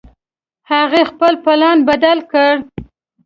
هغې خپل پلان بدل کړ